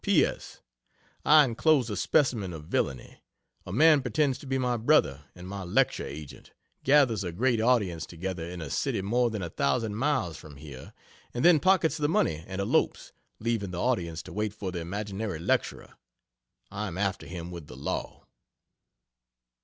P. S. I enclose a specimen of villainy. A man pretends to be my brother and my lecture agent gathers a great audience together in a city more than a thousand miles from here, and then pockets the money and elopes, leaving the audience to wait for the imaginary lecturer! I am after him with the law.